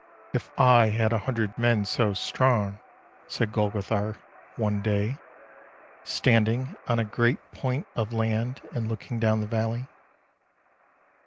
" If I had a hundred men so strong —" said Golgo thar, one day, standing on a great point of land and looking down the valley.